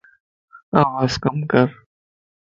آواز ڪَم ڪر